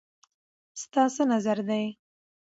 ستا څه نظر دی